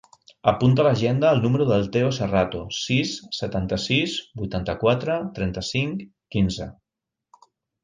Apunta a l'agenda el número del Theo Serrato: sis, setanta-sis, vuitanta-quatre, trenta-cinc, quinze.